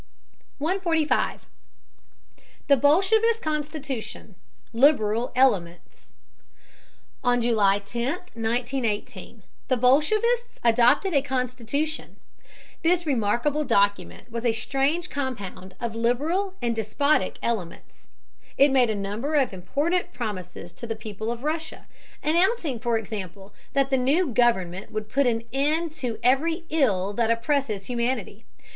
145. THE BOLSHEVIST CONSTITUTION: LIBERAL ELEMENTS. On July 10, 1918, the bolshevists adopted a constitution. This remarkable document was a strange compound of liberal and despotic elements. It made a number of important promises to the people of Russia, announcing, for example, that the new government would "put an end to every ill that oppresses humanity."